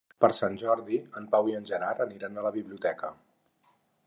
Per Sant Jordi en Pau i en Gerard aniran a la biblioteca.